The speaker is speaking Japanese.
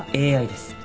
ＡＩです。